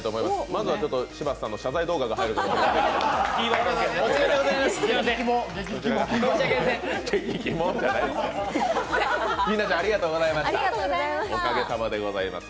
まずは柴田さんの謝罪動画が入ると思います。